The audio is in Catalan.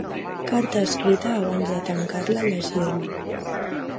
Carta escrita, abans de tancar-la, llegir-la.